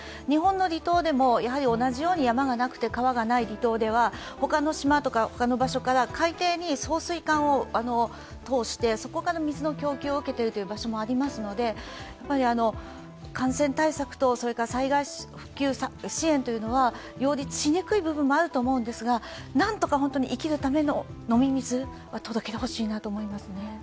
日本の離島でもやはり同じように山がなくて川がない離島ではほかの島とか場所から海底に送水管を通してそこから水の供給を受けてる場所もありますので感染対策と災害復旧支援というのは両立しにくい部分というのもあると思うんですがなんとか本当に生きるための飲み水は届けてほしいなと思いますね。